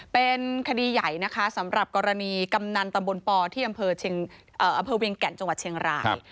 เป็นคดีใหญ่นะคะสำหรับกรณีกำนันตำบลปที่อำเภอเวียงแก่นจังหวัดเชียงราย